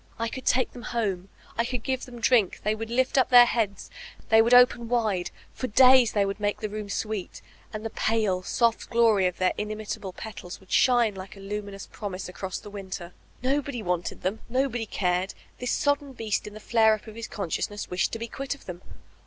I could take them home, I could give them drink, they would lift up their heads, they would open wide, for days they would make the room sweet, and the pale, soft glory of their inimitable petals would shine like a luminous promise across the winter. Nobody wanted them, nobody cared ; this sodden beast in the flare up of his consciousness wished to be quit of them.